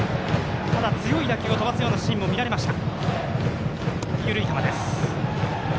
強い打球を飛ばすようなシーンも見られました。